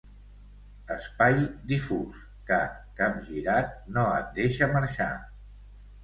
Espai difús que, capgirat, no et deixa marxar.